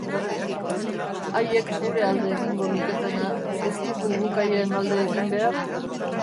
Haiek gure alde egingo luketena, ez dugu guk haien alde egin behar?